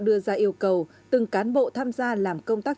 đưa ra yêu cầu từng cán bộ tham gia làm công tác